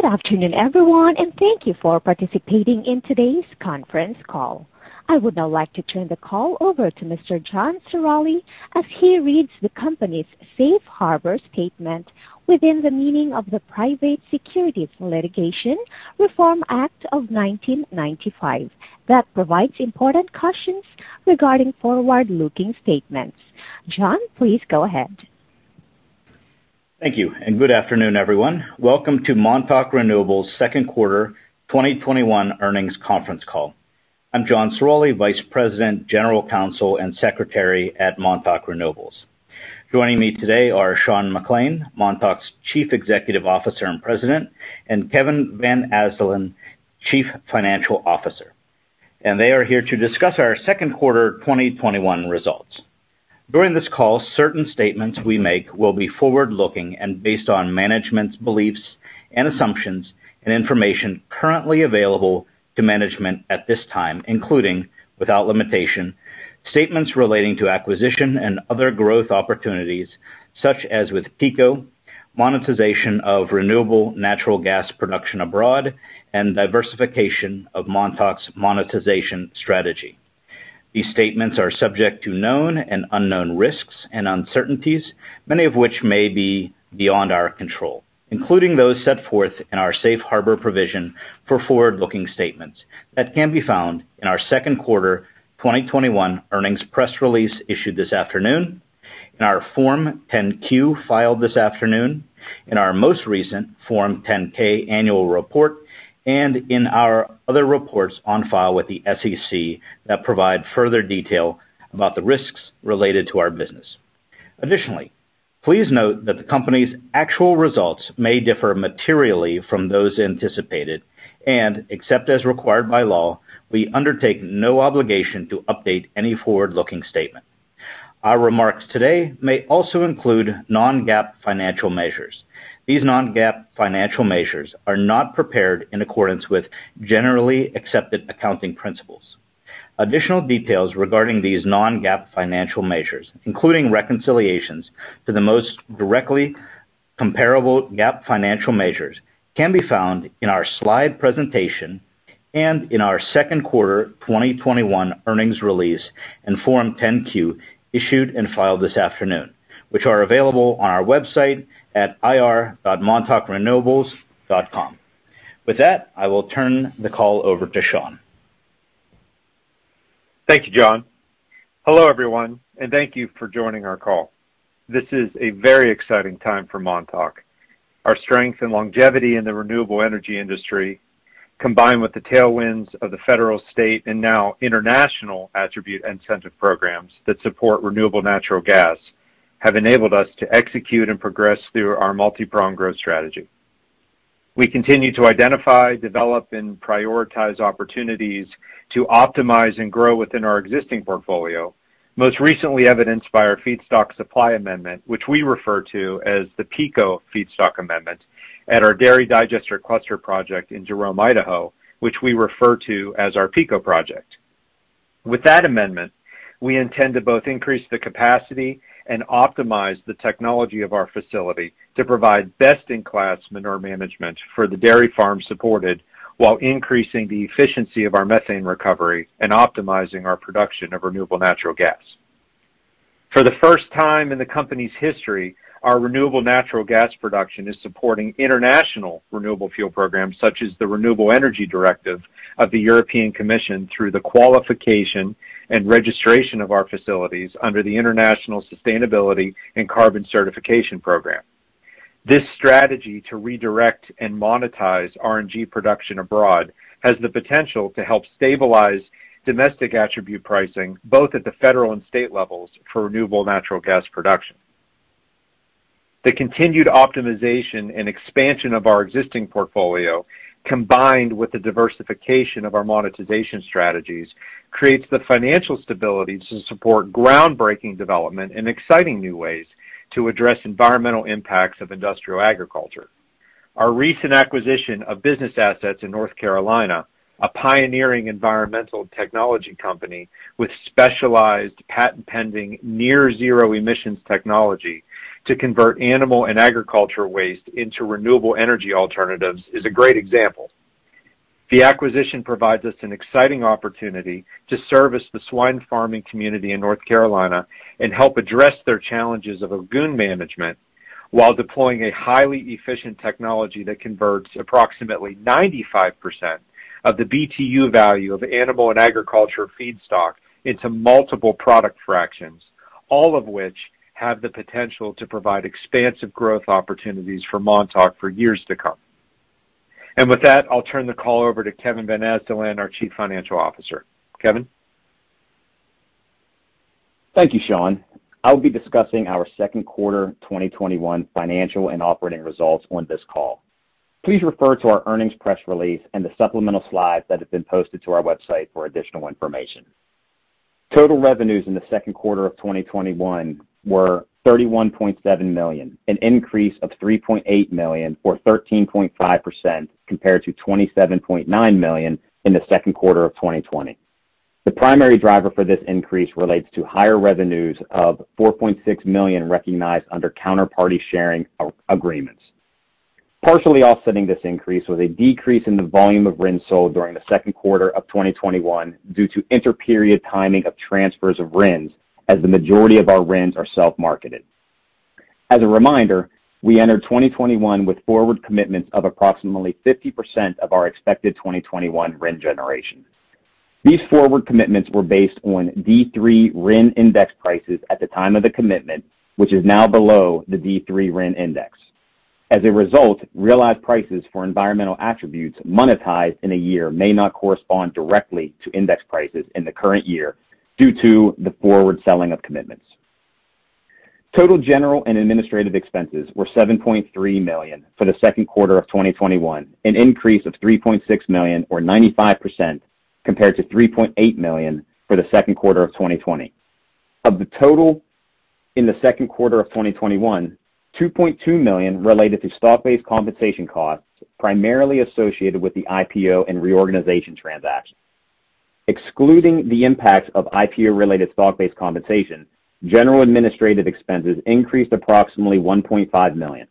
Good afternoon, everyone, and thank you for participating in today's conference call. I would now like to turn the call over to Mr. John Ciroli as he reads the company's safe harbor statement within the meaning of the Private Securities Litigation Reform Act of 1995 that provides important cautions regarding forward-looking statements. John, please go ahead. Thank you. Good afternoon, everyone. Welcome to Montauk Renewables' Second Quarter 2021 Earnings Conference Call. I'm John Ciroli, Vice President, General Counsel, and Secretary at Montauk Renewables. Joining me today are Sean McClain, Montauk's Chief Executive Officer and President, and Kevin Van Asdalan, Chief Financial Officer, and they are here to discuss our second quarter 2021 results. During this call, certain statements we make will be forward-looking and based on management's beliefs and assumptions and information currently available to management at this time, including, without limitation, statements relating to acquisition and other growth opportunities, such as with Pico, monetization of renewable natural gas production abroad, and diversification of Montauk's monetization strategy. These statements are subject to known and unknown risks and uncertainties, many of which may be beyond our control, including those set forth in our safe harbor provision for forward-looking statements that can be found in our second quarter 2021 earnings press release issued this afternoon, in our Form 10-Q filed this afternoon, in our most recent Form 10-K annual report, and in our other reports on file with the SEC that provide further detail about the risks related to our business. Additionally, please note that the company's actual results may differ materially from those anticipated, and except as required by law, we undertake no obligation to update any forward-looking statement. Our remarks today may also include non-GAAP financial measures. These non-GAAP financial measures are not prepared in accordance with generally accepted accounting principles. Additional details regarding these non-GAAP financial measures, including reconciliations to the most directly comparable GAAP financial measures, can be found in our slide presentation and in our second quarter 2021 earnings release and Form 10-Q issued and filed this afternoon, which are available on our website at ir.montaukrenewables.com. With that, I will turn the call over to Sean. Thank you, John. Hello, everyone, and thank you for joining our call. This is a very exciting time for Montauk. Our strength and longevity in the renewable energy industry, combined with the tailwinds of the federal, state, and now international attribute incentive programs that support renewable natural gas, have enabled us to execute and progress through our multi-pronged growth strategy. We continue to identify, develop, and prioritize opportunities to optimize and grow within our existing portfolio, most recently evidenced by our feedstock supply amendment, which we refer to as the Pico feedstock amendment, at our dairy digester cluster project in Jerome, Idaho, which we refer to as our Pico project. With that amendment, we intend to both increase the capacity and optimize the technology of our facility to provide best-in-class manure management for the dairy farms supported while increasing the efficiency of our methane recovery and optimizing our production of renewable natural gas. For the first time in the company's history, our renewable natural gas production is supporting international renewable fuel programs, such as the Renewable Energy Directive of the European Commission, through the qualification and registration of our facilities under the International Sustainability and Carbon Certification program. This strategy to redirect and monetize RNG production abroad has the potential to help stabilize domestic attribute pricing, both at the federal and state levels for renewable natural gas production. The continued optimization and expansion of our existing portfolio, combined with the diversification of our monetization strategies, creates the financial stability to support groundbreaking development and exciting new ways to address environmental impacts of industrial agriculture. Our recent acquisition of business assets in North Carolina, a pioneering environmental technology company with specialized patent-pending near zero emissions technology to convert animal and agriculture waste into renewable energy alternatives, is a great example. The acquisition provides us an exciting opportunity to service the swine farming community in North Carolina and help address their challenges of lagoon management while deploying a highly efficient technology that converts approximately 95% of the BTU value of animal and agriculture feedstock into multiple product fractions, all of which have the potential to provide expansive growth opportunities for Montauk for years to come. With that, I'll turn the call over to Kevin Van Asdalan, our Chief Financial Officer. Kevin? Thank you, Sean. I will be discussing our second quarter 2021 financial and operating results on this call. Please refer to our earnings press release and the supplemental slides that have been posted to our website for additional information. Total revenues in the second quarter of 2021 were $31.7 million, an increase of $3.8 million, or 13.5%, compared to $27.9 million in the second quarter of 2020. The primary driver for this increase relates to higher revenues of $4.6 million recognized under counterparty sharing agreements. Partially offsetting this increase was a decrease in the volume of RINs sold during the second quarter of 2021 due to interperiod timing of transfers of RINs, as the majority of our RINs are self-marketed. As a reminder, we entered 2021 with forward commitments of approximately 50% of our expected 2021 RIN generation. These forward commitments were based on D3 RIN index prices at the time of the commitment, which is now below the D3 RIN index. As a result, realized prices for environmental attributes monetized in a year may not correspond directly to index prices in the current year due to the forward selling of commitments. Total general and administrative expenses were $7.3 million for the second quarter of 2021, an increase of $3.6 million or 95%, compared to $3.8 million for the second quarter of 2020. Of the total in the second quarter of 2021, $2.2 million related to stock-based compensation costs primarily associated with the IPO and reorganization transaction. Excluding the impact of IPO-related stock-based compensation, general administrative expenses increased approximately $1.5 million.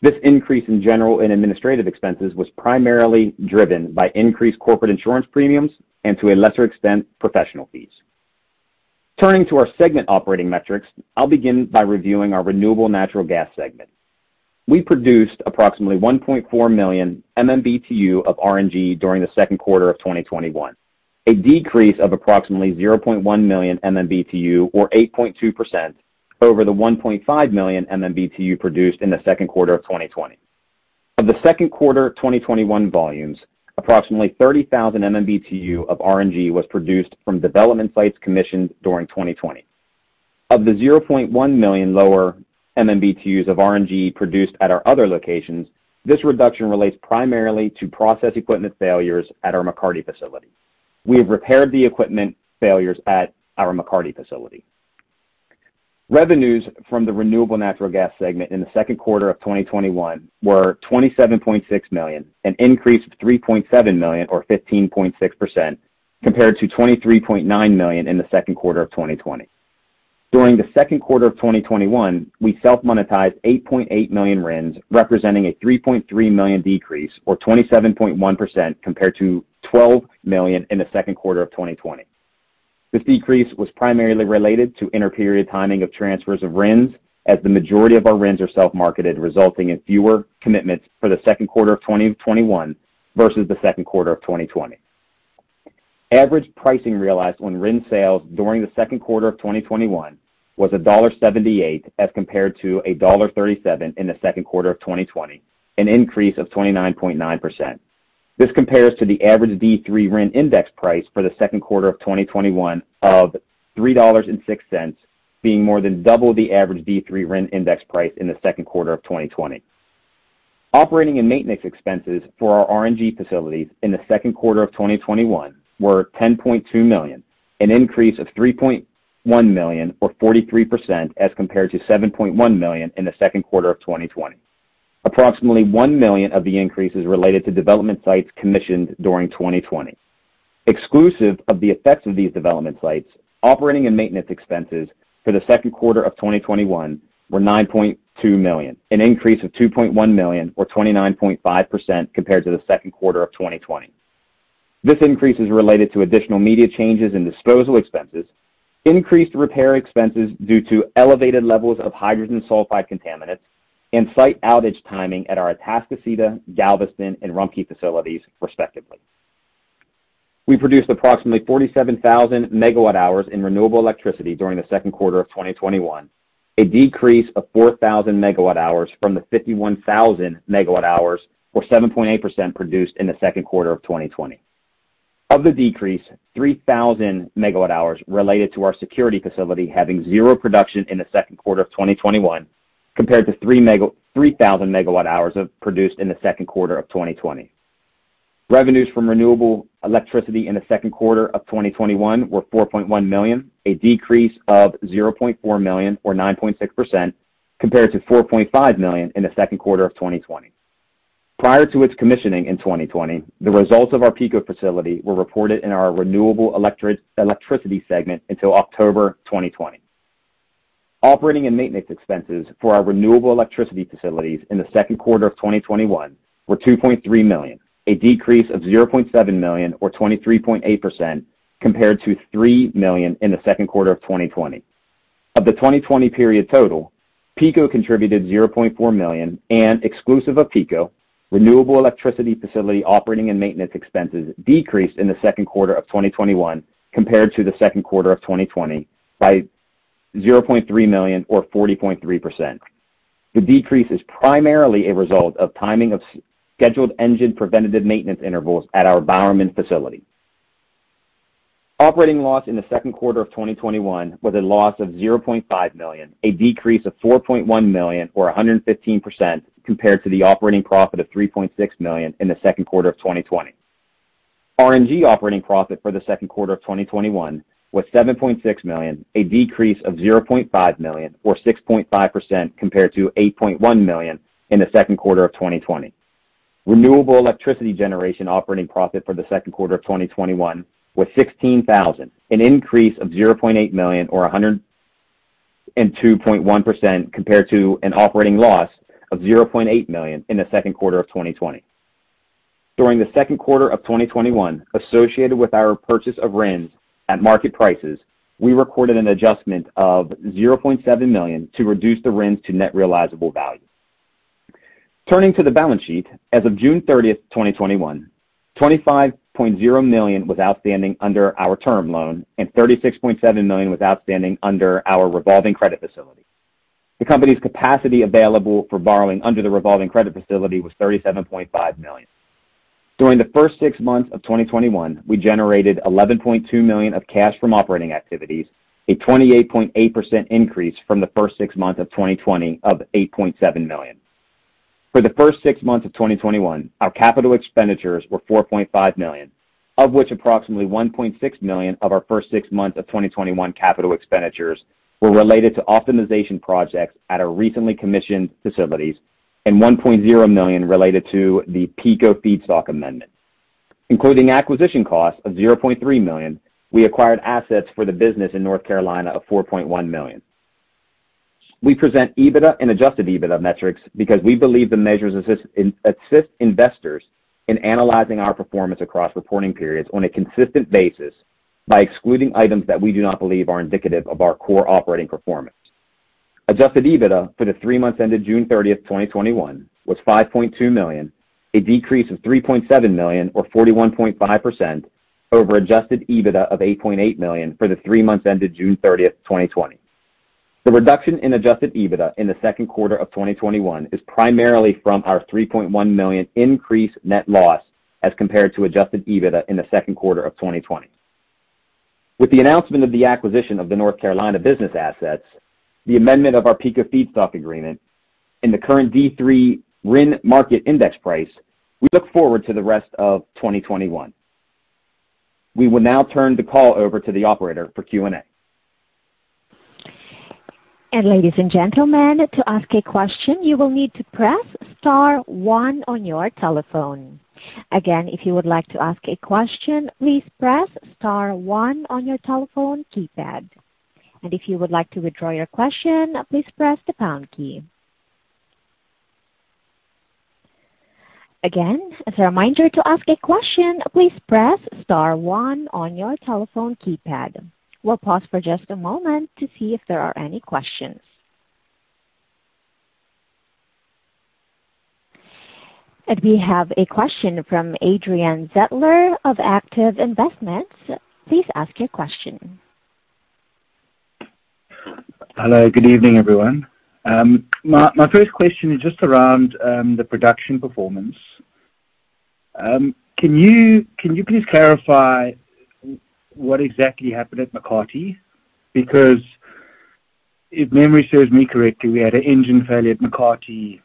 This increase in general and administrative expenses was primarily driven by increased corporate insurance premiums and, to a lesser extent, professional fees. Turning to our segment operating metrics, I'll begin by reviewing our renewable natural gas segment. We produced approximately 1.4 million MMBtu of RNG during the second quarter of 2021, a decrease of approximately 0.1 million MMBtu, or 8.2%, over the 1.5 million MMBtu produced in the second quarter of 2020. Of the second quarter 2021 volumes, approximately 30,000 MMBtu of RNG was produced from development sites commissioned during 2020. Of the 0.1 million lower MMBtu of RNG produced at our other locations, this reduction relates primarily to process equipment failures at our McCarty facility. We have repaired the equipment failures at our McCarty facility. Revenues from the renewable natural gas segment in the second quarter of 2021 were $27.6 million, an increase of $3.7 million, or 15.6%, compared to $23.9 million in the second quarter of 2020. During the second quarter of 2021, we self-monetized 8.8 million RINs, representing a 3.3 million decrease, or 27.1%, compared to 12 million in the second quarter of 2020. This decrease was primarily related to interperiod timing of transfers of RINs, as the majority of our RINs are self-marketed, resulting in fewer commitments for the second quarter of 2021 versus the second quarter of 2020. Average pricing realized on RIN sales during the second quarter of 2021 was $1.78 as compared to $1.37 in the second quarter of 2020, an increase of 29.9%. This compares to the average D3 RIN index price for the second quarter of 2021 of $3.06, being more than double the average D3 RIN index price in the second quarter of 2020. Operating and maintenance expenses for our RNG facilities in the second quarter of 2021 were $10.2 million, an increase of $3.1 million or 43%, as compared to $7.1 million in the second quarter of 2020. Approximately $1 million of the increase is related to development sites commissioned during 2020. Exclusive of the effects of these development sites, operating and maintenance expenses for the second quarter of 2021 were $9.2 million, an increase of $2.1 million or 29.5% compared to the second quarter of 2020. This increase is related to additional media changes in disposal expenses, increased repair expenses due to elevated levels of hydrogen sulfide contaminants, and site outage timing at our Atascocita, Galveston, and Rumpke facilities, respectively. We produced approximately 47,000 megawatt hours in renewable electricity during the second quarter of 2021, a decrease of 4,000 megawatt hours from the 51,000 megawatt hours or 7.8% produced in the second quarter of 2020. Of the decrease, 3,000 megawatt hours related to our Security facility having zero production in the second quarter of 2021 compared to 3,000 megawatt hours produced in the second quarter of 2020. Revenues from renewable electricity in the second quarter of 2021 were $4.1 million, a decrease of $0.4 million or 9.6%, compared to $4.5 million in the second quarter of 2020. Prior to its commissioning in 2020, the results of our Pico facility were reported in our renewable electricity segment until October 2020. Operating and maintenance expenses for our renewable electricity facilities in the second quarter of 2021 were $2.3 million, a decrease of $0.7 million or 23.8%, compared to $3 million in the second quarter of 2020. Of the 2020 period total, Pico contributed $0.4 million, and exclusive of Pico, renewable electricity facility operating and maintenance expenses decreased in the second quarter of 2021 compared to the second quarter of 2020 by $0.3 million or 40.3%. The decrease is primarily a result of timing of scheduled engine preventative maintenance intervals at our Bowerman facility. Operating loss in the second quarter of 2021 was a loss of $0.5 million, a decrease of $4.1 million or 115%, compared to the operating profit of $3.6 million in the second quarter of 2020. RNG operating profit for the second quarter of 2021 was $7.6 million, a decrease of $0.5 million or 6.5% compared to $8.1 million in the second quarter of 2020. Renewable electricity generation operating profit for the second quarter of 2021 was $16,000, an increase of $0.8 million or 102.1% compared to an operating loss of $0.8 million in the second quarter of 2020. During the second quarter of 2021, associated with our purchase of RINs at market prices, we recorded an adjustment of $0.7 million to reduce the RINs to net realizable value. Turning to the balance sheet, as of June 30th, 2021, $25.0 million was outstanding under our term loan and $36.7 million was outstanding under our revolving credit facility. The company's capacity available for borrowing under the revolving credit facility was $37.5 million. During the first six months of 2021, we generated $11.2 million of cash from operating activities, a 28.8% increase from the first six months of 2020 of $8.7 million. For the first six months of 2021, our capital expenditures were $4.5 million, of which approximately $1.6 million of our first six months of 2021 capital expenditures were related to optimization projects at our recently commissioned facilities and $1.0 million related to the Pico feedstock amendment. Including acquisition costs of $0.3 million, we acquired assets for the business in North Carolina of $4.1 million. We present EBITDA and adjusted EBITDA metrics because we believe the measures assist investors in analyzing our performance across reporting periods on a consistent basis by excluding items that we do not believe are indicative of our core operating performance. Adjusted EBITDA for the three months ended June 30th, 2021, was $5.2 million, a decrease of $3.7 million or 41.5% over adjusted EBITDA of $8.8 million for the three months ended June 30th, 2020. The reduction in adjusted EBITDA in the second quarter of 2021 is primarily from our $3.1 million increased net loss as compared to adjusted EBITDA in the second quarter of 2020. With the announcement of the acquisition of the North Carolina business assets, the amendment of our Pico feedstock amendment, and the current D3 RIN market index price, we look forward to the rest of 2021. We will now turn the call over to the operator for Q&A. Ladies and gentlemen, to ask a question, you will need to press star one on your telephone. Again, if you would like to ask a question, please press star one on your telephone keypad. If you would like to withdraw your question, please press the pound key. Again, as a reminder, to ask a question, please press star one on your telephone keypad. We'll pause for just a moment to see if there are any questions. We have a question from Adrian Zetler of A² Investment. Please ask your question. Hello, good evening, everyone. My first question is just around the production performance. Can you please clarify what exactly happened at McCarty? If memory serves me correctly, we had an engine failure at McCarty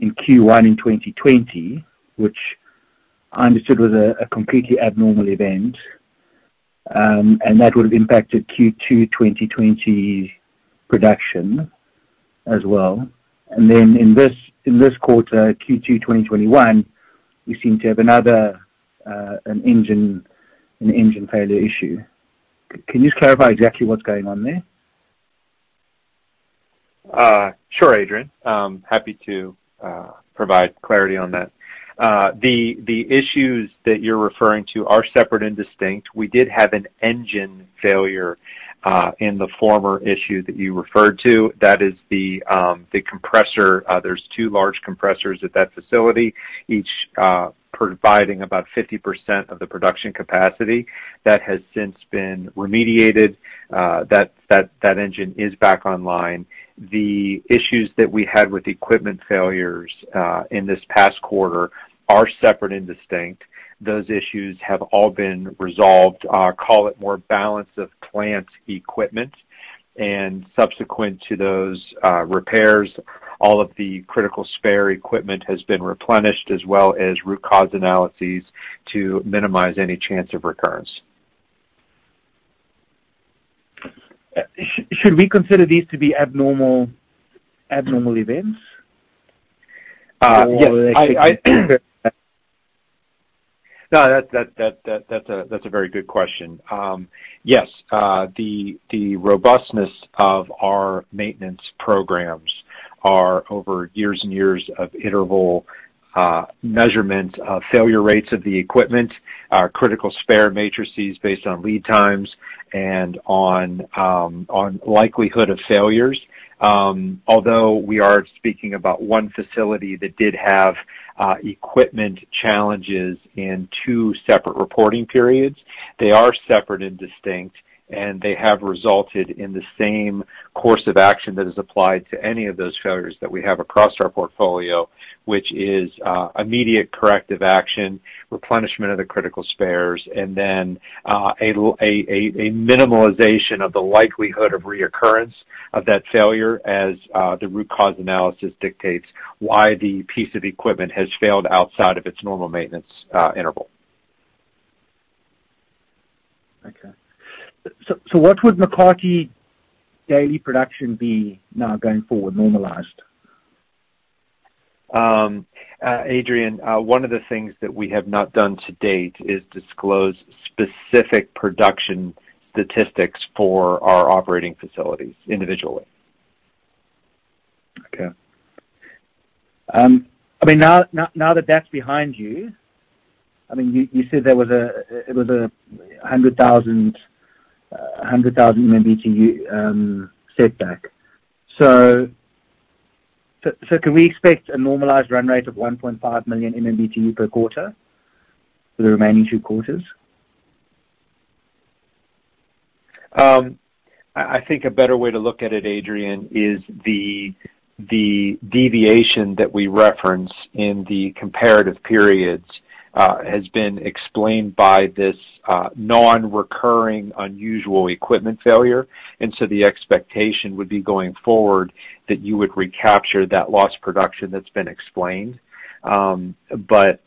in Q1 in 2020, which I understood was a completely abnormal event. That would have impacted Q2 2020 production as well. In this quarter, Q2 2021, we seem to have another engine failure issue. Can you just clarify exactly what's going on there? Sure, Adrian Zetler. Happy to provide clarity on that. The issues that you're referring to are separate and distinct. We did have an engine failure in the former issue that you referred to. That is the compressor. There's two large compressors at that facility, each providing about 50% of the production capacity. That has since been remediated. That engine is back online. The issues that we had with equipment failures in this past quarter are separate and distinct. Those issues have all been resolved, call it more balance of plant equipment, and subsequent to those repairs, all of the critical spare equipment has been replenished as well as root cause analyses to minimize any chance of recurrence. Should we consider these to be abnormal events? Yes. That's a very good question. Yes. The robustness of our maintenance programs are over years and years of interval measurement of failure rates of the equipment, our critical spare matrices based on lead times and on likelihood of failures. Although we are speaking about one facility that did have equipment challenges in two separate reporting periods, they are separate and distinct, and they have resulted in the same course of action that is applied to any of those failures that we have across our portfolio. Which is immediate corrective action, replenishment of the critical spares, and then a minimalization of the likelihood of reoccurrence of that failure as the root cause analysis dictates why the piece of equipment has failed outside of its normal maintenance interval. What would McCarty daily production be now going forward normalized? Adrian, one of the things that we have not done to date is disclose specific production statistics for our operating facilities individually. Okay. Now that that's behind you said there was a 100,000 MMBtu setback. Can we expect a normalized run rate of 1.5 million MMBtu per quarter for the remaining two quarters? I think a better way to look at it, Adrian, is the deviation that we reference in the comparative periods has been explained by this non-recurring unusual equipment failure. The expectation would be going forward that you would recapture that lost production that's been explained. Short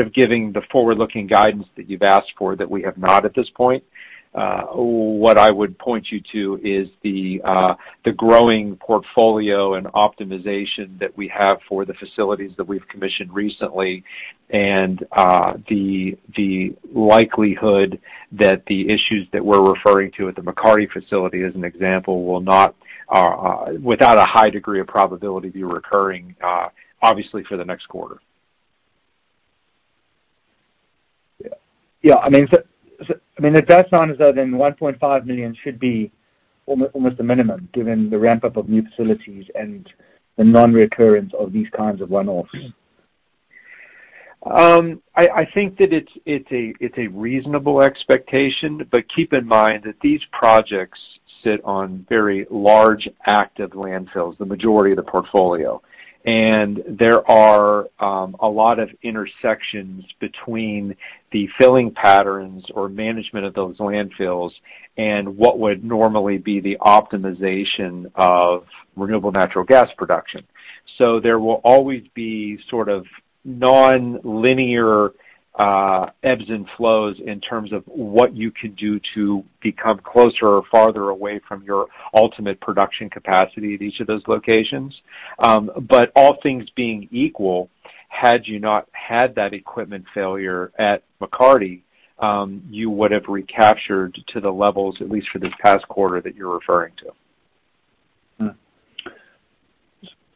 of giving the forward-looking guidance that you've asked for that we have not at this point, what I would point you to is the growing portfolio and optimization that we have for the facilities that we've commissioned recently and the likelihood that the issues that we're referring to at the McCarty facility, as an example, will not, without a high degree of probability, be recurring, obviously, for the next quarter. It does sound as though then $1.5 million should be almost a minimum given the ramp-up of new facilities and the non-recurrence of these kinds of one-offs. I think that it's a reasonable expectation. Keep in mind that these projects sit on very large active landfills, the majority of the portfolio. There are a lot of intersections between the filling patterns or management of those landfills and what would normally be the optimization of renewable natural gas production. There will always be sort of nonlinear ebbs and flows in terms of what you can do to become closer or farther away from your ultimate production capacity at each of those locations. All things being equal, had you not had that equipment failure at McCarty, you would have recaptured to the levels, at least for this past quarter that you're referring to.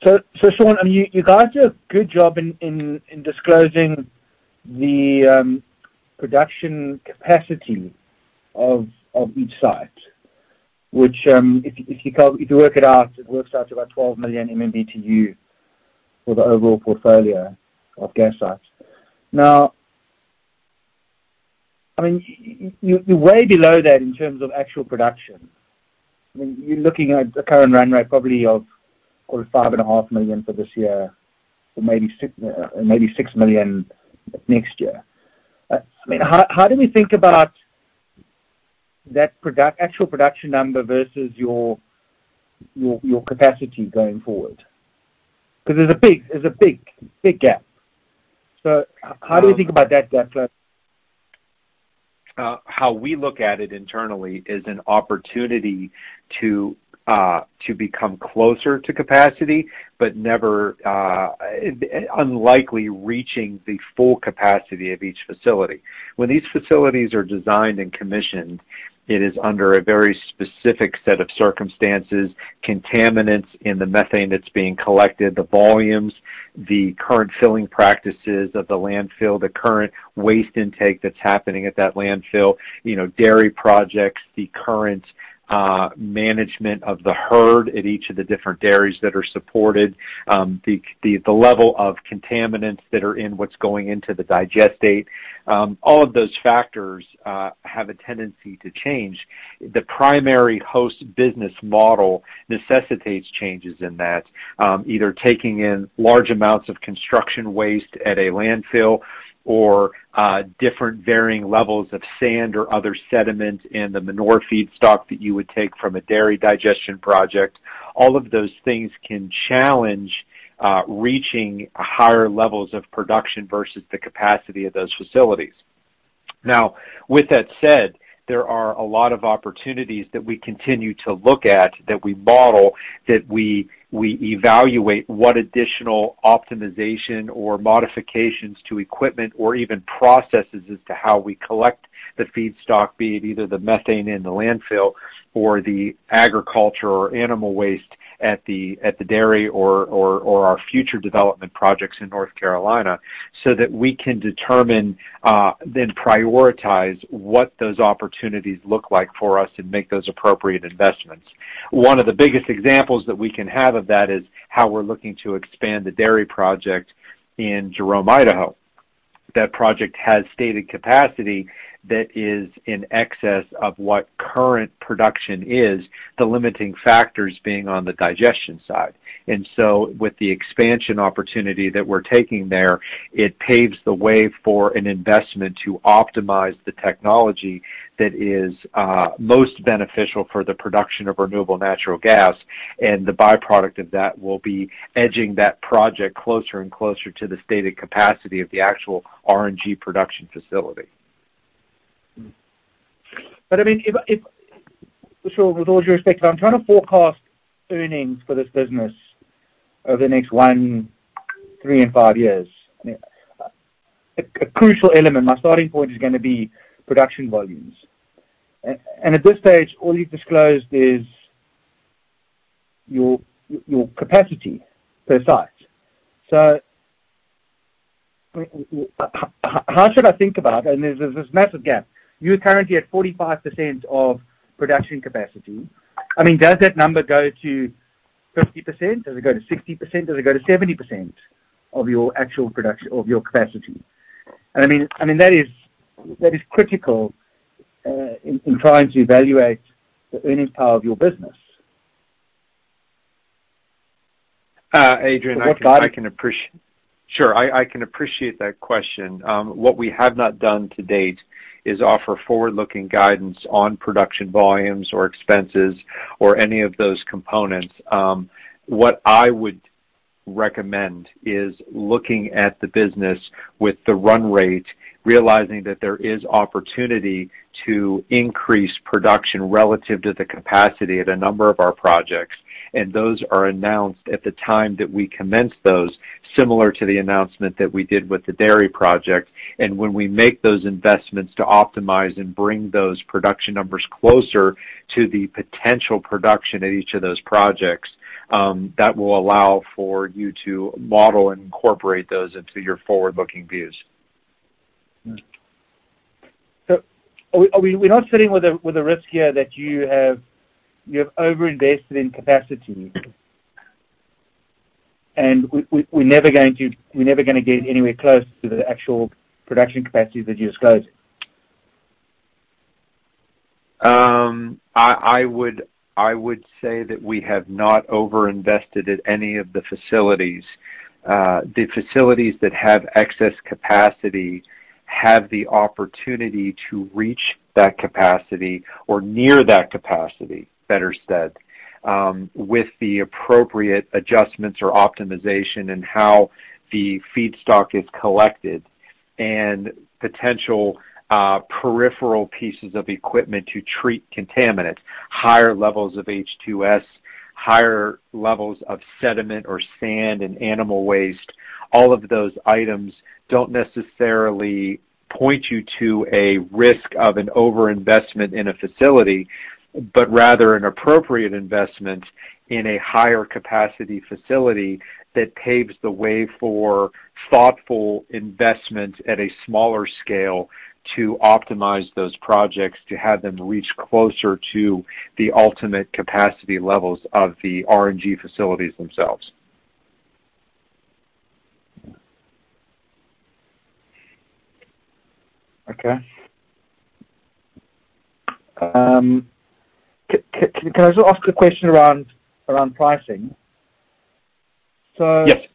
Sean, you guys do a good job in disclosing the production capacity of each site, which, if you work it out, it works out to about 12 million MMBtu for the overall portfolio of gas sites. You're way below that in terms of actual production. You're looking at a current run rate probably of 5.5 million for this year or maybe 6 million next year. How do we think about that actual production number versus your capacity going forward? Because there's a big gap. How do you think about that gap? How we look at it internally is an opportunity to become closer to capacity, but never unlikely reaching the full capacity of each facility. When these facilities are designed and commissioned, it is under a very specific set of circumstances, contaminants in the methane that's being collected, the volumes, the current filling practices of the landfill, the current waste intake that's happening at that landfill, dairy projects, the current management of the herd at each of the different dairies that are supported, the level of contaminants that are in what's going into the digestate. All of those factors have a tendency to change. The primary host business model necessitates changes in that, either taking in large amounts of construction waste at a landfill or different varying levels of sand or other sediment in the manure feedstock that you would take from a dairy digestion project. All of those things can challenge reaching higher levels of production versus the capacity of those facilities. With that said, there are a lot of opportunities that we continue to look at that we model, that we evaluate what additional optimization or modifications to equipment or even processes as to how we collect the feedstock, be it either the methane in the landfill or the agriculture or animal waste at the dairy or our future development projects in North Carolina, so that we can determine, then prioritize what those opportunities look like for us and make those appropriate investments. One of the biggest examples that we can have of that is how we're looking to expand the dairy project in Jerome, Idaho. That project has stated capacity that is in excess of what current production is, the limiting factors being on the digestion side. With the expansion opportunity that we're taking there, it paves the way for an investment to optimize the technology that is most beneficial for the production of renewable natural gas, and the byproduct of that will be edging that project closer and closer to the stated capacity of the actual RNG production facility. I mean, Sean, with all due respect, if I'm trying to forecast earnings for this business over the next one, three, and five years, a crucial element, my starting point is going to be production volumes. At this stage, all you've disclosed is your capacity per site. There's this massive gap. You're currently at 45% of production capacity. I mean, does that number go to 50%? Does it go to 60%? Does it go to 70% of your actual production, of your capacity? I mean, that is critical in trying to evaluate the earning power of your business. Adrian, I can. What about it? Sure. I can appreciate that question. What we have not done to date is offer forward-looking guidance on production volumes or expenses or any of those components. What I would recommend is looking at the business with the run rate, realizing that there is opportunity to increase production relative to the capacity at a number of our projects. And those are announced at the time that we commence those, similar to the announcement that we did with the Dairy project. And when we make those investments to optimize and bring those production numbers closer to the potential production at each of those projects, that will allow for you to model and incorporate those into your forward-looking views. Are we not sitting with a risk here that you have over-invested in capacity, and we're never going to get anywhere close to the actual production capacity that you disclosed? I would say that we have not over-invested at any of the facilities. The facilities that have excess capacity have the opportunity to reach that capacity or near that capacity, better said, with the appropriate adjustments or optimization in how the feedstock is collected and potential peripheral pieces of equipment to treat contaminants, higher levels of H2S, higher levels of sediment or sand and animal waste. All of those items don't necessarily point you to a risk of an over-investment in a facility, but rather an appropriate investment in a higher capacity facility that paves the way for thoughtful investment at a smaller scale to optimize those projects, to have them reach closer to the ultimate capacity levels of the RNG facilities themselves. Okay. Can I also ask a question around pricing? Yes.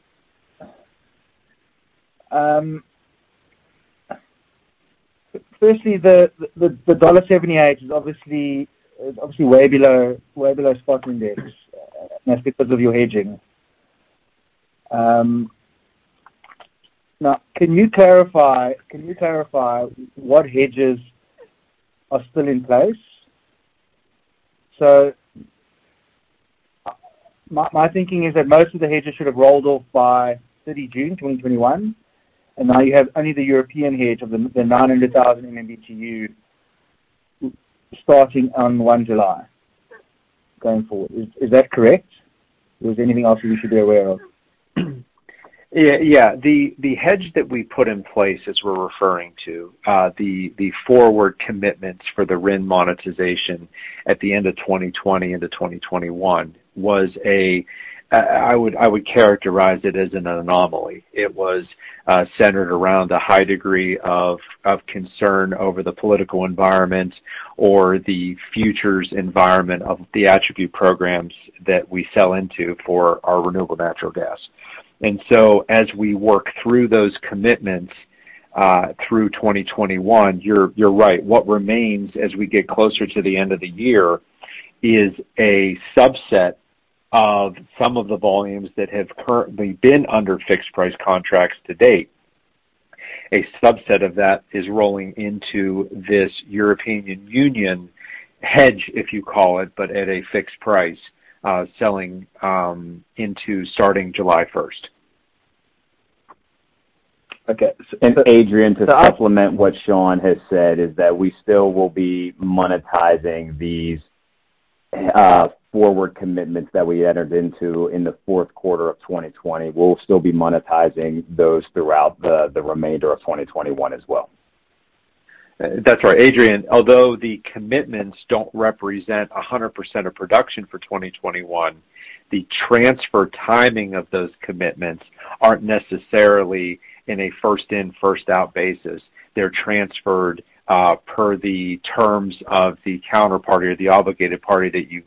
Firstly, the $1.78 is obviously way below spot index. That's because of your hedging. Now, can you clarify what hedges are still in place? My thinking is that most of the hedges should have rolled off by 30 June 2021, and now you have only the European hedge of the 900,000 MMBtu starting on the 1 July going forward. Is that correct? Was there anything else we should be aware of? Yeah. The hedge that we put in place, as we're referring to, the forward commitments for the RIN monetization at the end of 2020 into 2021 was I would characterize it as an anomaly. It was centered around a high degree of concern over the political environment or the futures environment of the attribute programs that we sell into for our renewable natural gas. As we work through those commitments through 2021, you're right. What remains as we get closer to the end of the year is a subset of some of the volumes that have currently been under fixed price contracts to date. A subset of that is rolling into this European Union hedge, if you call it, but at a fixed price, selling into starting July 1st. Okay. Adrian, to supplement what Sean has said is that we still will be monetizing these forward commitments that we entered into in the fourth quarter of 2020. We'll still be monetizing those throughout the remainder of 2021 as well. That's right, Adrian. Although the commitments don't represent 100% of production for 2021, the transfer timing of those commitments aren't necessarily in a first in, first out basis. They're transferred per the terms of the counterparty or the obligated party that you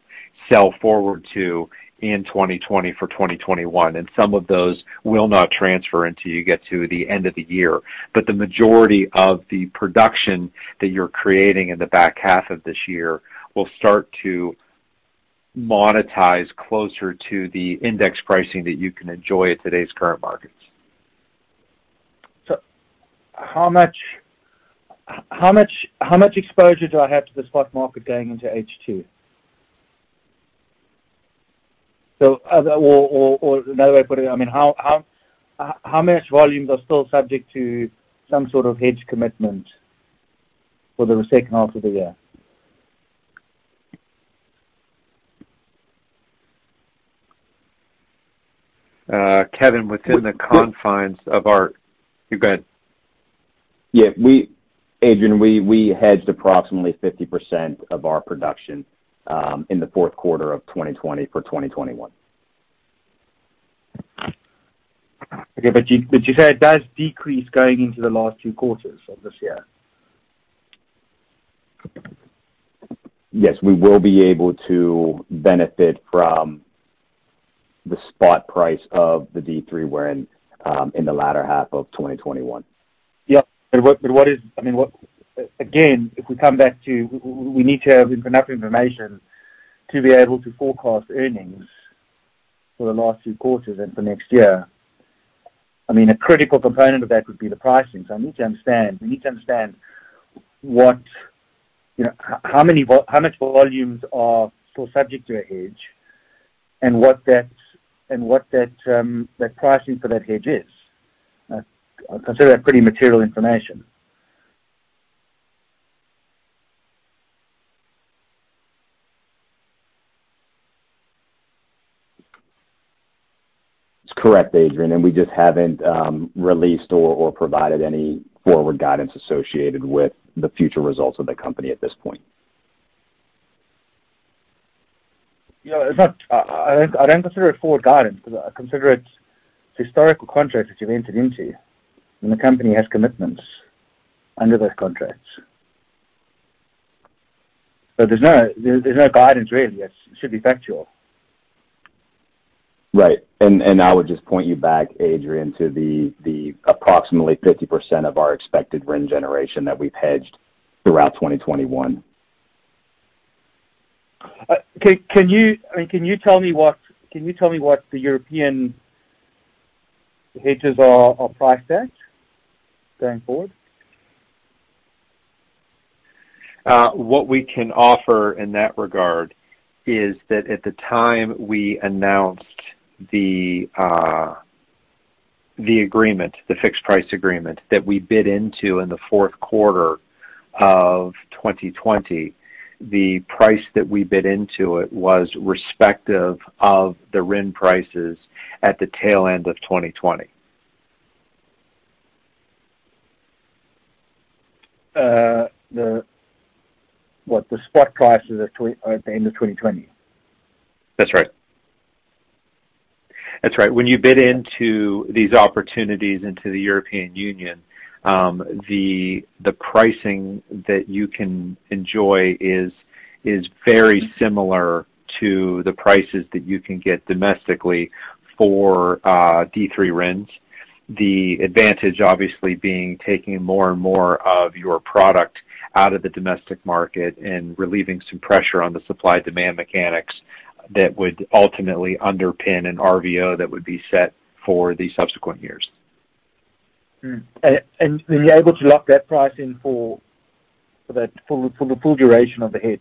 sell forward to in 2020 for 2021. Some of those will not transfer until you get to the end of the year. The majority of the production that you're creating in the back half of this year will start to monetize closer to the index pricing that you can enjoy at today's current markets. How much exposure do I have to the spot market going into H2? Or another way of putting it, how much volumes are still subject to some sort of hedge commitment for the second half of the year? Kevin, within the confines of our. You go ahead. Yeah. Adrian, we hedged approximately 50% of our production in the fourth quarter of 2020 for 2021. Okay. You say it does decrease going into the last two quarters of this year. Yes. We will be able to benefit from the spot price of the D3 RIN in the latter half of 2021. Yeah. Again, if we come back to, we need to have enough information to be able to forecast earnings for the last two quarters and for next year. A critical component of that would be the pricing. We need to understand how much volumes are still subject to a hedge and what that pricing for that hedge is. I consider that pretty material information. It's correct, Adrian, and we just haven't released or provided any forward guidance associated with the future results of the company at this point. Yeah. I don't consider it forward guidance because I consider it historical contracts that you've entered into, and the company has commitments under those contracts. There's no guidance really. It should be factual. Right. I would just point you back, Adrian, to the approximately 50% of our expected RIN generation that we've hedged throughout 2021. Can you tell me what the European hedges are priced at going forward? What we can offer in that regard is that at the time we announced the fixed price agreement that we bid into in the fourth quarter of 2020, the price that we bid into it was respective of the RIN prices at the tail end of 2020. What the spot prices at the end of 2020? That's right. When you bid into these opportunities into the European Union, the pricing that you can enjoy is very similar to the prices that you can get domestically for D3 RINs. The advantage obviously being taking more and more of your product out of the domestic market and relieving some pressure on the supply-demand mechanics that would ultimately underpin an RVO that would be set for the subsequent years. Then you're able to lock that price in for the full duration of the hedge,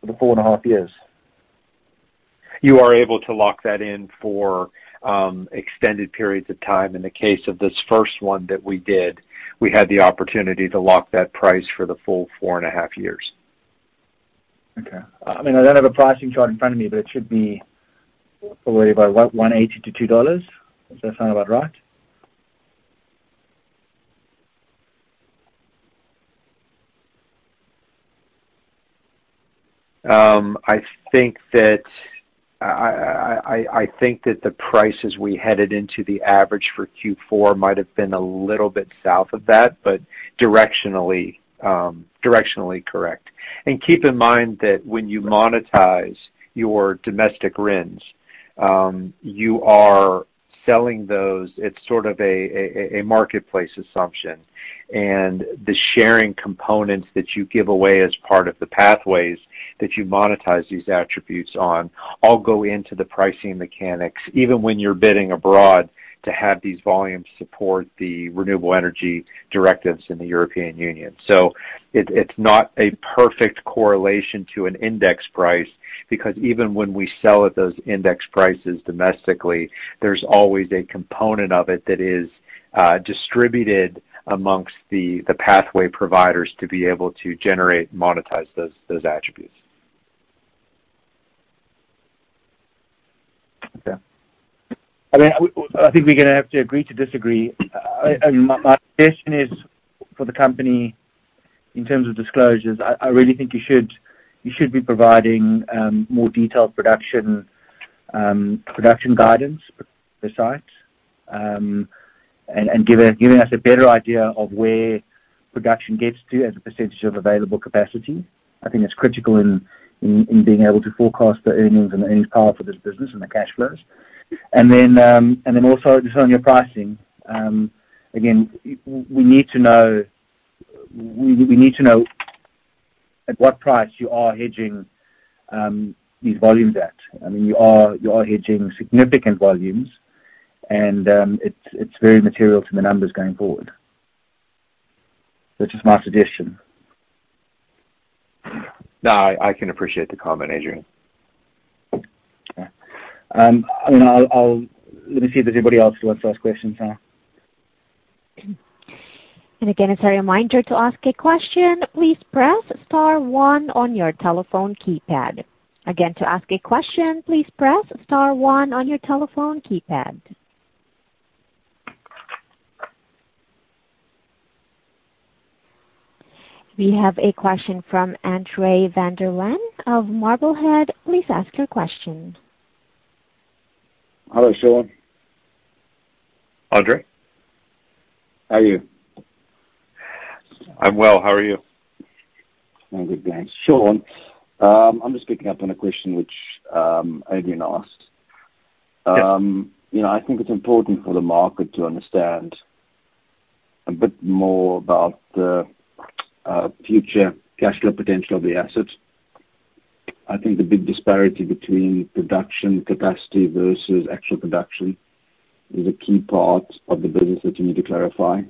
for the four and a half years? You are able to lock that in for extended periods of time. In the case of this first one that we did, we had the opportunity to lock that price for the full four and a half years. Okay. I don't have a pricing chart in front of me, but it should be probably about $1.80-$2. Does that sound about right? I think that the prices we headed into the average for Q4 might have been a little bit south of that, but directionally correct. Keep in mind that when you monetize your domestic RINs, you are selling those. It's sort of a marketplace assumption. The sharing components that you give away as part of the pathways that you monetize these attributes on all go into the pricing mechanics, even when you're bidding abroad to have these volumes support the Renewable Energy Directives in the European Union. It's not a perfect correlation to an index price because even when we sell at those index prices domestically, there's always a component of it that is distributed amongst the pathway providers to be able to generate and monetize those attributes. Okay. I think we're going to have to agree to disagree. My suggestion is for the company in terms of disclosures, I really think you should be providing more detailed production guidance for the sites, and giving us a better idea of where production gets to as a percentage of available capacity. I think that's critical in being able to forecast the earnings and earnings power for this business and the cash flows. Also just on your pricing, again, we need to know at what price you are hedging these volumes at. You are hedging significant volumes and it's very material to the numbers going forward. That is my suggestion. No, I can appreciate the comment, Adrian. Okay. Let me see if there's anybody else who wants to ask questions now. Again, as a reminder, to ask a question, please press star one on your telephone keypad. Again, to ask a question, please press star one on your telephone keypad. We have a question from André van der Veen of Marblehead. Please ask your question. Hello, Sean. André. How are you? I'm well. How are you? I'm good, thanks. Sean, I'm just picking up on a question which Adrian asked. Yes. I think it's important for the market to understand a bit more about the future cash flow potential of the assets. I think the big disparity between production capacity versus actual production is a key part of the business that you need to clarify.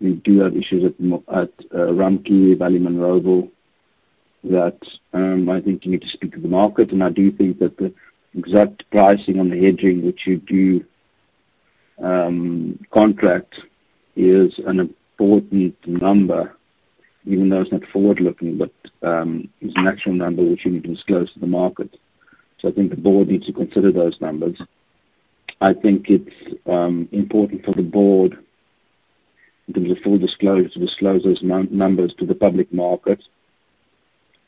We do have issues at Rumpke, Valemount, and Roble that I think you need to speak to the market. I do think that the exact pricing on the hedging which you do contract is an important number, even though it's not forward-looking, but it's an actual number which you need to disclose to the market. I think the board needs to consider those numbers. I think it's important for the board, in terms of full disclosure, to disclose those numbers to the public market,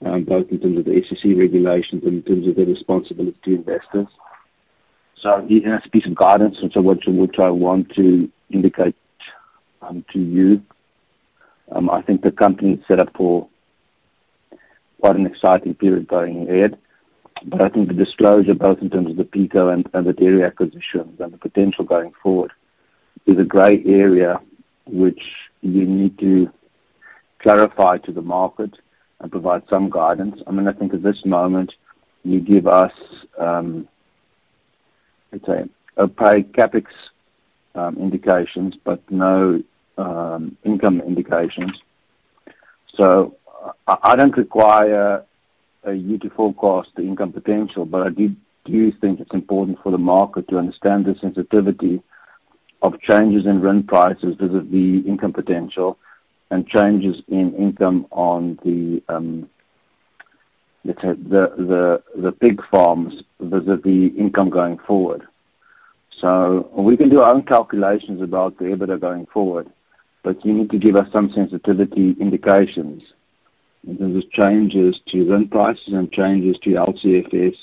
both in terms of the SEC regulations, in terms of their responsibility to investors. That's a piece of guidance, which I want to indicate to you. I think the company is set up for quite an exciting period going ahead. I think the disclosure, both in terms of the Pico and the Dairy acquisitions and the potential going forward, is a gray area which you need to clarify to the market and provide some guidance. I think at this moment, you give us, let's say, opaque CapEx indications, but no income indications. I don't require you to forecast the income potential, but I do think it's important for the market to understand the sensitivity of changes in RIN prices vis-a-vis income potential and changes in income on the pig farms vis-a-vis income going forward. We can do our own calculations about the EBITDA going forward, but you need to give us some sensitivity indications in terms of changes to RIN prices and changes to LCFS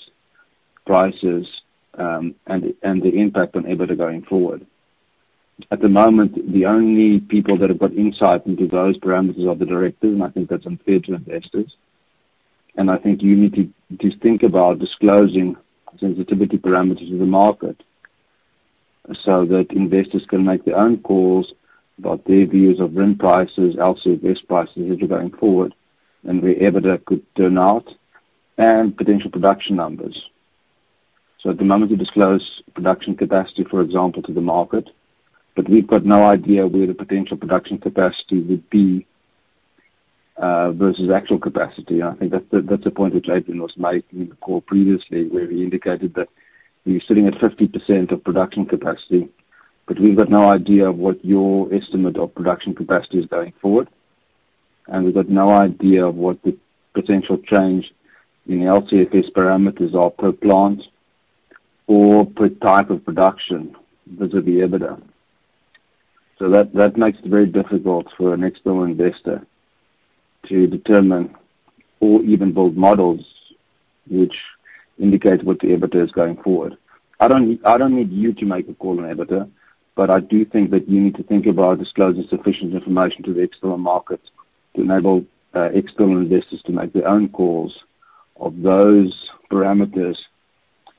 prices, and the impact on EBITDA going forward. At the moment, the only people that have got insight into those parameters are the directors, and I think that's unfair to investors. I think you need to think about disclosing sensitivity parameters to the market so that investors can make their own calls about their views of RIN prices, LCFS prices as we're going forward and where EBITDA could turn out and potential production numbers. At the moment, you disclose production capacity, for example, to the market, but we've got no idea where the potential production capacity would be versus actual capacity. I think that's a point which Adrian Zetler was making in the call previously, where he indicated that you're sitting at 50% of production capacity, but we've got no idea of what your estimate of production capacity is going forward. We've got no idea of what the potential change in LCFS parameters are per plant or per type of production vis-a-vis EBITDA. That makes it very difficult for an external investor to determine or even build models which indicate what the EBITDA is going forward. I don't need you to make a call on EBITDA, but I do think that you need to think about disclosing sufficient information to the external market to enable external investors to make their own calls of those parameters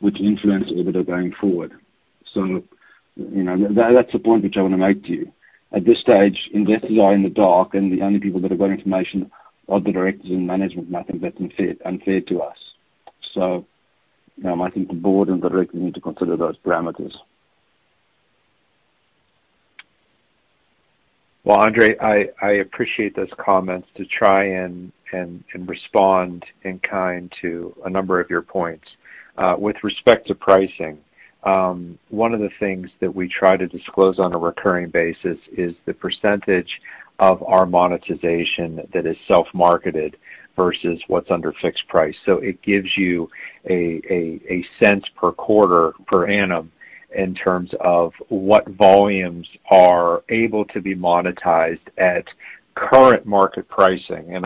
which influence the EBITDA going forward. That's the point which I want to make to you. At this stage, investors are in the dark, and the only people that have got information are the directors and management, and I think that's unfair to us. I think the board and directors need to consider those parameters. André, I appreciate those comments. To try and respond in kind to a number of your points. With respect to pricing, one of the things that we try to disclose on a recurring basis is the percentage of our monetization that is self-marketed versus what's under fixed price. It gives you a sense per quarter, per annum, in terms of what volumes are able to be monetized at current market pricing.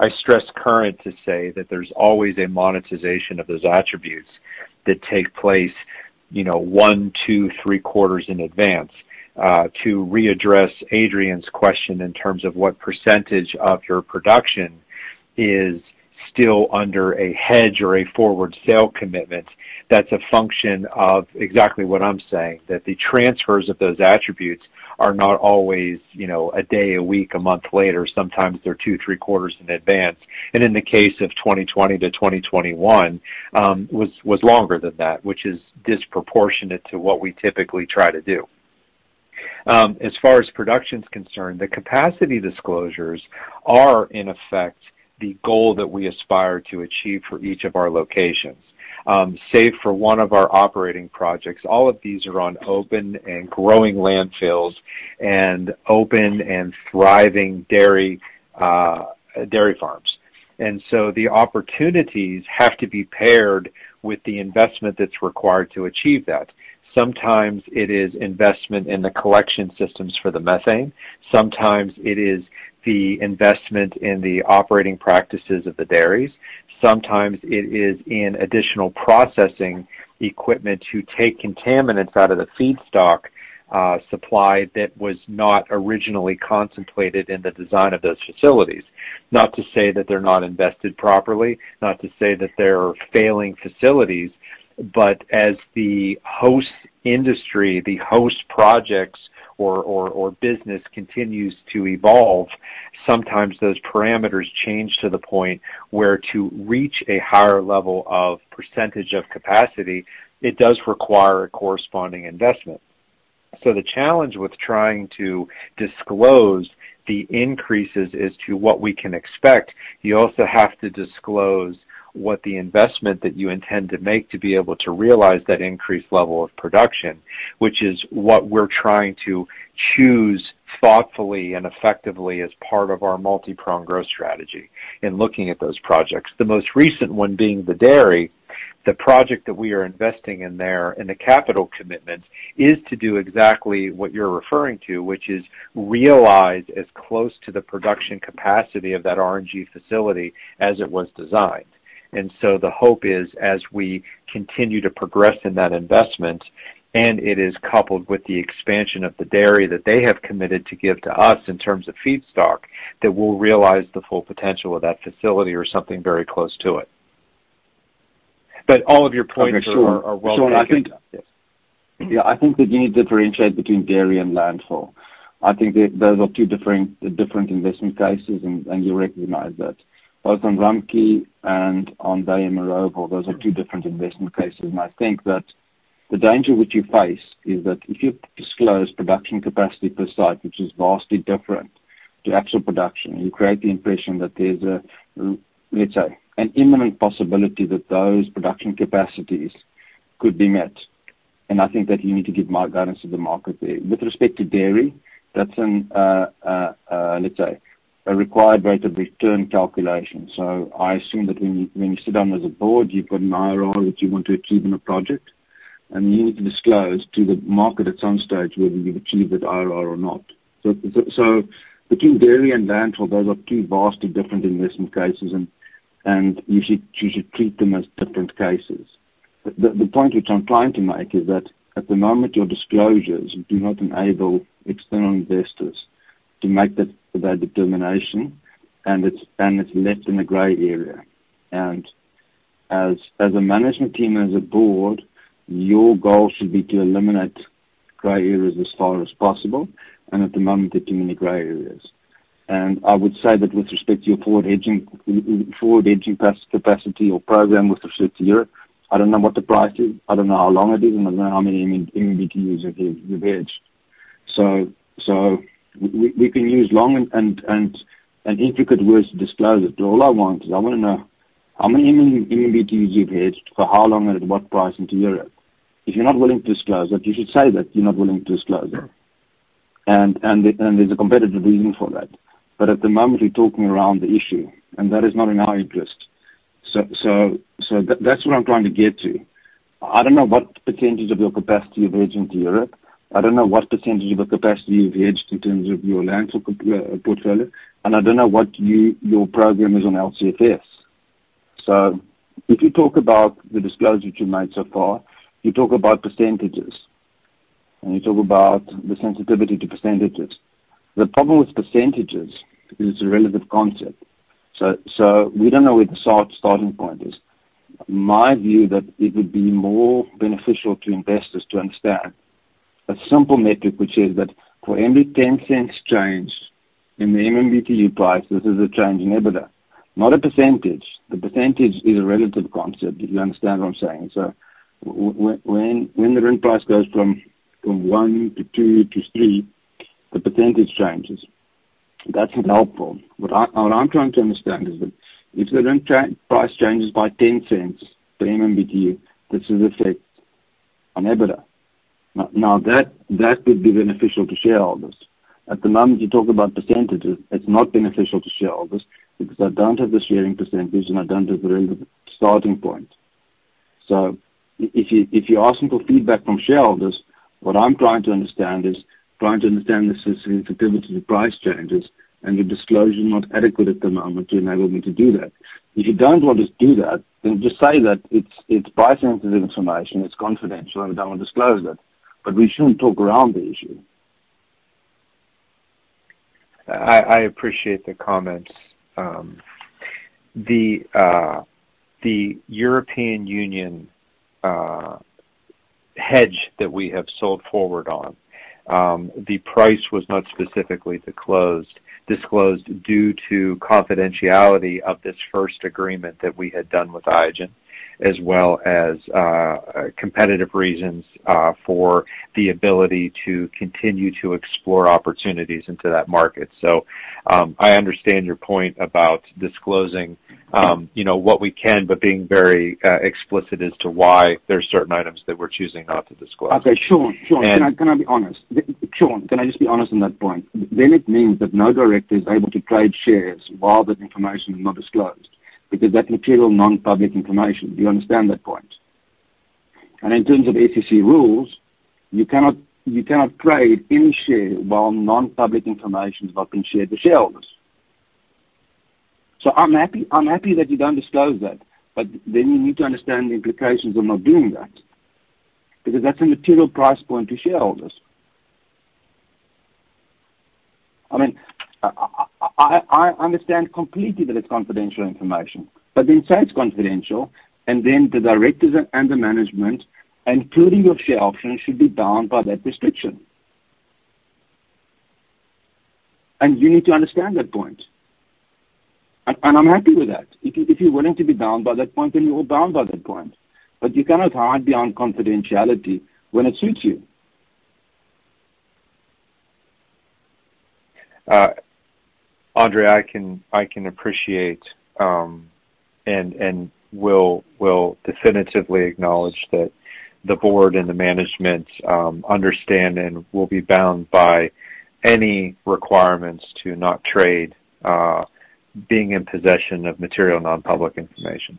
I stress current to say that there's always a monetization of those attributes that take place one, two, three quarters in advance. To readdress Adrian's question in terms of what percentage of your production is still under a hedge or a forward sale commitment. That's a function of exactly what I'm saying, that the transfers of those attributes are not always a day, a week, a month later. Sometimes they're two, three quarters in advance. In the case of 2020-2021, was longer than that, which is disproportionate to what we typically try to do. As far as production's concerned, the capacity disclosures are, in effect, the goal that we aspire to achieve for each of our locations. Save for one of our operating projects, all of these are on open and growing landfills, and open and thriving dairy farms. The opportunities have to be paired with the investment that's required to achieve that. Sometimes it is investment in the collection systems for the methane. Sometimes it is the investment in the operating practices of the dairies. Sometimes it is in additional processing equipment to take contaminants out of the feedstock supply that was not originally contemplated in the design of those facilities. Not to say that they're not invested properly, not to say that they're failing facilities. As the host industry, the host projects or business continues to evolve, sometimes those parameters change to the point where to reach a higher level of percentage of capacity, it does require a corresponding investment. The challenge with trying to disclose the increases as to what we can expect, you also have to disclose what the investment that you intend to make to be able to realize that increased level of production. Which is what we're trying to choose thoughtfully and effectively as part of our multi-pronged growth strategy in looking at those projects. The most recent one being the dairy. The project that we are investing in there, and the capital commitment, is to do exactly what you're referring to, which is realize as close to the production capacity of that RNG facility as it was designed. The hope is, as we continue to progress in that investment, and it is coupled with the expansion of the dairy that they have committed to give to us in terms of feedstock, that we'll realize the full potential of that facility or something very close to it. All of your points are well-taken. Sean, I think that you need to differentiate between dairy and landfill. I think that those are two different investment cases, and you recognize that. Both on Rumpke and on Day Marogo, those are two different investment cases. I think that the danger which you face is that if you disclose production capacity per site, which is vastly different to actual production, you create the impression that there's a, let's say, an imminent possibility that those production capacities could be met. I think that you need to give more guidance to the market there. With respect to dairy, that's an, let's say, a required rate of return calculation. I assume that when you sit down as a board, you've got an IRR that you want to achieve in a project, and you need to disclose to the market at some stage whether you've achieved that IRR or not. Between dairy and landfill, those are two vastly different investment cases, and you should treat them as different cases. The point which I'm trying to make is that at the moment, your disclosures do not enable external investors to make that determination, and it's left in a gray area. As a management team, as a board, your goal should be to eliminate gray areas as far as possible. At the moment, there are too many gray areas. I would say that with respect to your forward hedging capacity or program with respect to Europe, I don't know what the price is, I don't know how long it is, and I don't know how many MMBtu you've hedged. We can use long and intricate words to disclose it, but all I want is I want to know how many MMBtu you've hedged, for how long, and at what price into Europe. If you're not willing to disclose that, you should say that you're not willing to disclose that. There's a competitive reason for that. At the moment, we're talking around the issue, and that is not in our interest. That's what I'm trying to get to. I don't know what percentage of your capacity you've hedged into Europe. I don't know what percentage of the capacity you've hedged in terms of your landfill portfolio, and I don't know what your program is on LCFS. If you talk about the disclosure that you made so far, you talk about percentages, and you talk about the sensitivity to percentages. The problem with percentages is it's a relative concept. We don't know where the starting point is. My view that it would be more beneficial to investors to understand a simple metric which says that for every $0.10 change in the MMBtu price, this is a change in EBITDA. Not a percentage. The percentage is a relative concept, if you understand what I'm saying. When the RIN price goes from one to two to three, the percentage changes. That's not helpful. What I'm trying to understand is that if the RIN price changes by $0.10 per MMBtu, this is effect on EBITDA. That would be beneficial to shareholders. At the moment, you talk about percentages, it's not beneficial to shareholders because I don't have the sharing percentage, and I don't have the relative starting point. If you're asking for feedback from shareholders, what I'm trying to understand is trying to understand the sensitivity to price changes, and your disclosure is not adequate at the moment to enable me to do that. If you don't want to do that, then just say that it's price-sensitive information, it's confidential, and we don't disclose it. We shouldn't talk around the issue. I appreciate the comments. The European Union hedge that we have sold forward on, the price was not specifically disclosed due to confidentiality of this first agreement that we had done with Iogen, as well as competitive reasons for the ability to continue to explore opportunities into that market. I understand your point about disclosing what we can, but being very explicit as to why there are certain items that we're choosing not to disclose. Okay. Sean, can I be honest? Sean, can I just be honest on that point? It means that no director is able to trade shares while that information is not disclosed, because that's material non-public information. Do you understand that point? In terms of SEC rules, you cannot trade any share while non-public information has not been shared with shareholders. I'm happy that you don't disclose that, but then you need to understand the implications of not doing that, because that's a material price point to shareholders. I understand completely that it's confidential information, but then, so it's confidential, and then the directors and the management, including your share options, should be bound by that restriction. You need to understand that point. I'm happy with that. If you're willing to be bound by that point, then you're bound by that point. You cannot hide behind confidentiality when it suits you. André, I can appreciate, and will definitively acknowledge that the board and the management understand and will be bound by any requirements to not trade, being in possession of material non-public information.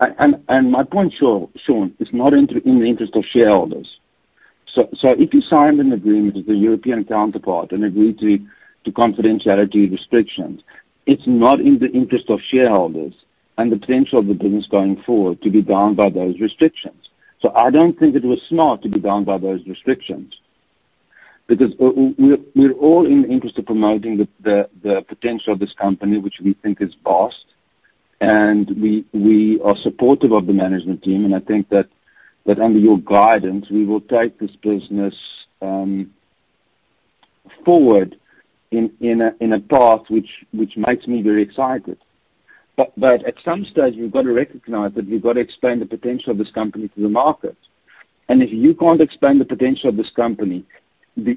My point, Sean, it's not in the interest of shareholders. If you signed an agreement with the European counterpart and agreed to confidentiality restrictions, it's not in the interest of shareholders and the potential of the business going forward to be bound by those restrictions. I don't think it was smart to be bound by those restrictions, because we're all in the interest of promoting the potential of this company, which we think is vast, and we are supportive of the management team, and I think that under your guidance, we will take this business forward in a path which makes me very excited. At some stage, we've got to recognize that we've got to explain the potential of this company to the market. If you can't explain the potential of this company, the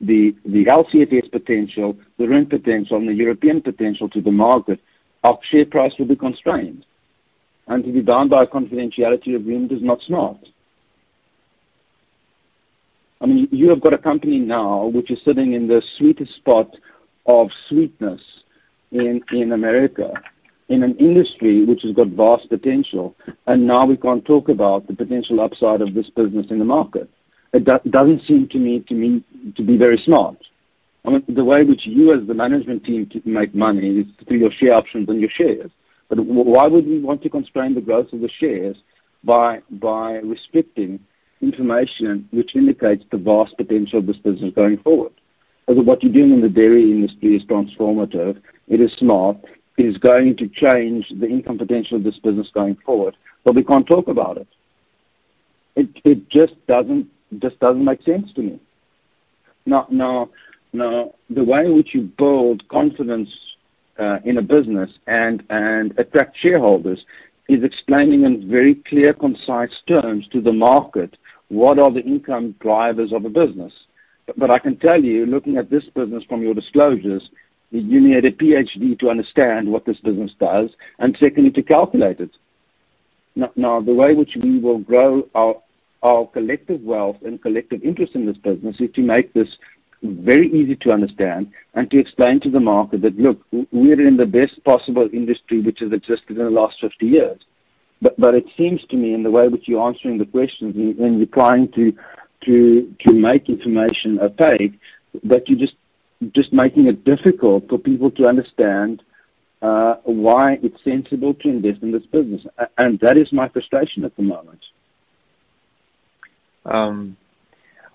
LCFS potential, the RIN potential, and the European potential to the market, our share price will be constrained. To be bound by a confidentiality agreement is not smart. You have got a company now which is sitting in the sweetest spot of sweetness in America, in an industry which has got vast potential, and now we can't talk about the potential upside of this business in the market. It doesn't seem to me to be very smart. The way which you as the management team make money is through your share options and your shares. Why would we want to constrain the growth of the shares by restricting information which indicates the vast potential of this business going forward? Because what you're doing in the dairy industry is transformative, it is smart, it is going to change the income potential of this business going forward. We can't talk about it. It just doesn't make sense to me. The way in which you build confidence in a business and attract shareholders is explaining in very clear, concise terms to the market what are the income drivers of a business. I can tell you, looking at this business from your disclosures, that you need a PhD to understand what this business does, and secondly, to calculate it. The way which we will grow our collective wealth and collective interest in this business is to make this very easy to understand and to explain to the market that, look, we're in the best possible industry which has existed in the last 50 years. It seems to me in the way which you're answering the questions and you're trying to make information opaque, that you're just making it difficult for people to understand why it's sensible to invest in this business. That is my frustration at the moment.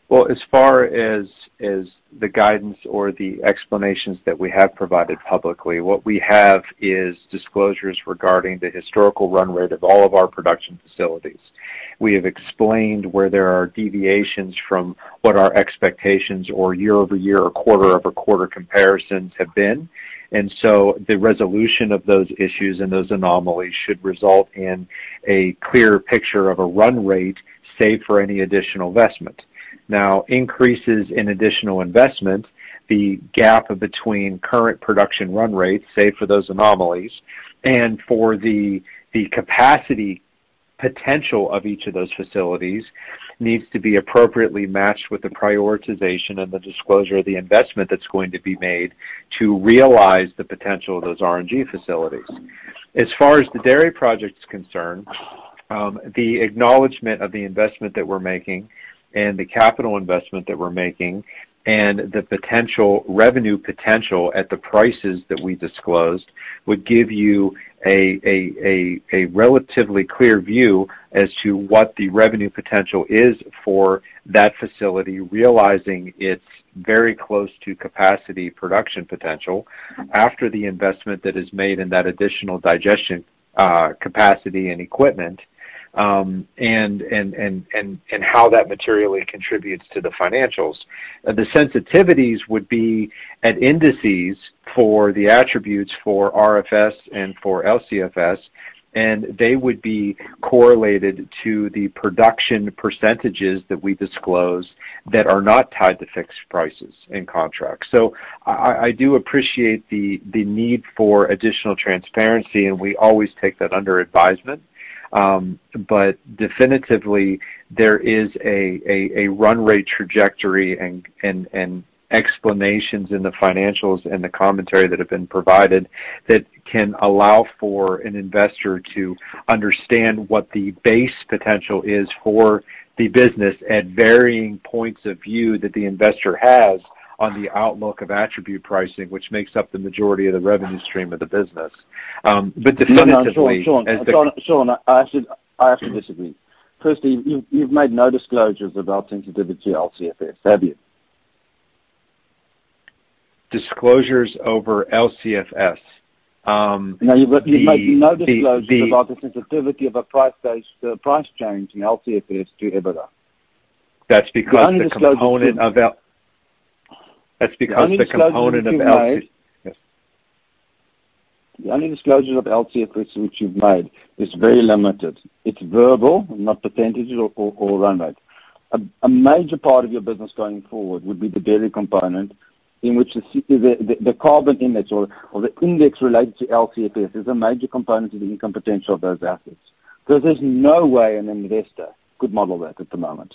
Well, as far as the guidance or the explanations that we have provided publicly, what we have is disclosures regarding the historical run rate of all of our production facilities. We have explained where there are deviations from what our expectations or year-over-year or quarter-over-quarter comparisons have been. The resolution of those issues and those anomalies should result in a clearer picture of a run rate, save for any additional investment. Now, increases in additional investment, the gap between current production run rates, save for those anomalies, and for the capacity potential of each of those facilities, needs to be appropriately matched with the prioritization and the disclosure of the investment that's going to be made to realize the potential of those RNG facilities. As far as the dairy project is concerned, the acknowledgment of the investment that we're making and the capital investment that we're making. The potential revenue potential at the prices that we disclosed would give you a relatively clear view as to what the revenue potential is for that facility, realizing it's very close to capacity production potential after the investment that is made in that additional digestion capacity and equipment, and how that materially contributes to the financials. The sensitivities would be at indices for the attributes for RFS and for LCFS, and they would be correlated to the production percentages that we disclose that are not tied to fixed prices in contracts. I do appreciate the need for additional transparency, and we always take that under advisement. Definitively, there is a run rate trajectory and explanations in the financials and the commentary that have been provided that can allow for an investor to understand what the base potential is for the business at varying points of view that the investor has on the outlook of attribute pricing, which makes up the majority of the revenue stream of the business. Sean, I have to disagree. Firstly, you've made no disclosures about sensitivity to LCFS, have you? Disclosures over LCFS. No, you've made no disclosures about the sensitivity of a price change in LCFS to EBITDA. That's because the component of. The only disclosure that you've made. Yes. The only disclosure of LCFS which you've made is very limited. It's verbal, not percentages or run rate. A major part of your business going forward would be the dairy component, in which the carbon intensity or the index related to LCFS is a major component of the income potential of those assets. There's no way an investor could model that at the moment.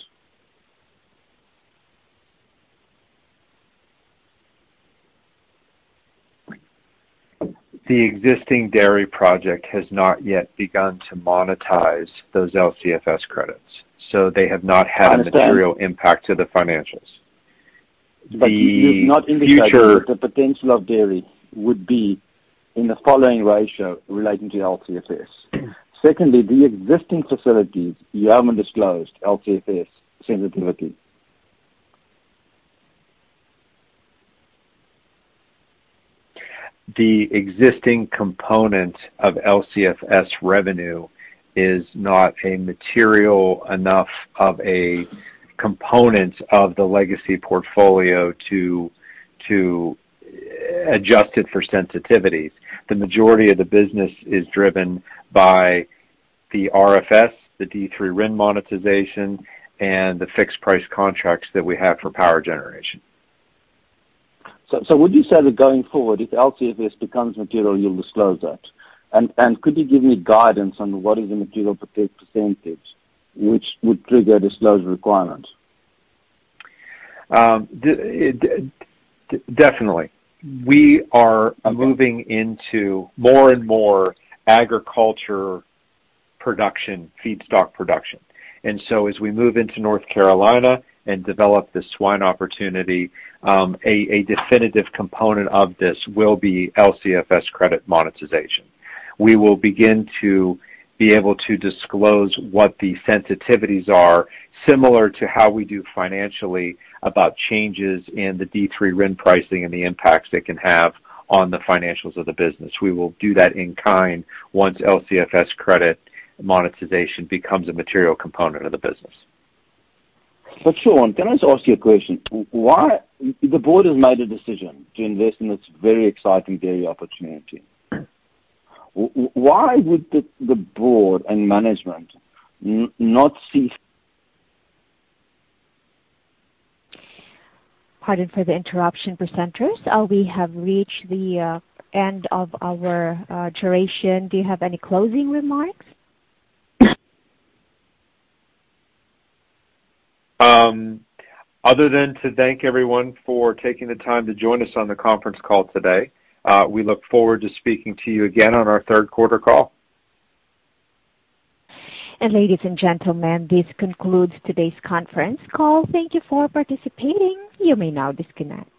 The existing dairy project has not yet begun to monetize those LCFS credits. I understand. a material impact to the financials. You've not indicated that the potential of dairy would be in the following ratio relating to LCFS. Secondly, the existing facilities, you haven't disclosed LCFS sensitivity. The existing component of LCFS revenue is not a material enough of a component of the legacy portfolio to adjust it for sensitivities. The majority of the business is driven by the RFS, the D3 RIN monetization, and the fixed price contracts that we have for power generation. Would you say that going forward, if LCFS becomes material, you'll disclose that? Could you give me guidance on what is the material percentage which would trigger disclosure requirements? Definitely. We are moving into more and more agriculture production, feedstock production. As we move into North Carolina and develop this swine opportunity, a definitive component of this will be LCFS credit monetization. We will begin to be able to disclose what the sensitivities are, similar to how we do financially about changes in the D3 RIN pricing and the impacts they can have on the financials of the business. We will do that in kind once LCFS credit monetization becomes a material component of the business. Sean, can I just ask you a question? The board has made a decision to invest in this very exciting dairy opportunity. Why would the board and management not see? Pardon for the interruption, presenters. We have reached the end of our duration. Do you have any closing remarks? Other than to thank everyone for taking the time to join us on the conference call today, we look forward to speaking to you again on our third quarter call. Ladies and gentlemen, this concludes today's conference call. Thank you for participating. You may now disconnect.